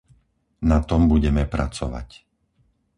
Na tom budeme pracovať.